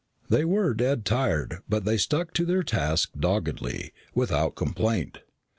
They were dead tired but they stuck to their task doggedly, without complaint.